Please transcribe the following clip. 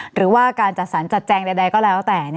หรือว่าการจัดสรรจัดแจงใดก็แล้วแต่